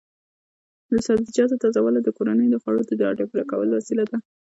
د سبزیجاتو تازه والي د کورنیو د خوړو د اړتیا پوره کولو وسیله ده.